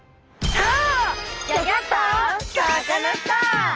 さあ